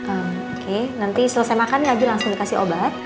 oke nanti selesai makan lagi langsung dikasih obat